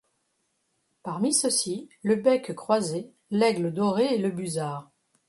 Parmi ceux-ci, le bec croisé, l'aigle doré et le busard.